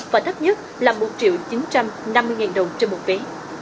và thấp nhất là một chín trăm năm mươi đồng trên một vé